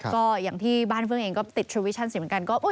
ก็อย่างที่บ้านเฟื้องเองก็ติดทวิชั่นเสียเหมือนกัน